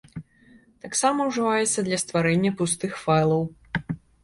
Таксама ўжываецца для стварэння пустых файлаў.